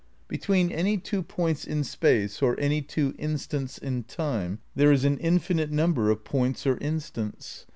Between any two points in space or any two instants in time there is an infinite number of points or instants.